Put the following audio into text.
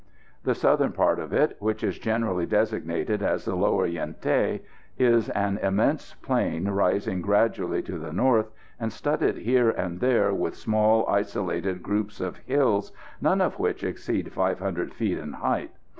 The southern part of it, which is generally designated as the Lower Yen Thé, is an immense plain rising gradually to the north, and studded here and there with small isolated groups of hills, none of which exceed 500 feet in height.